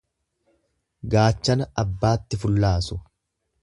Gaachana abbaatti fullaasu.